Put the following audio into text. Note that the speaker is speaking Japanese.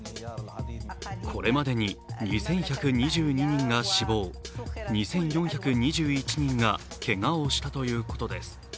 これまでに２１２２人が死亡、２４２１人がけがをしたということです。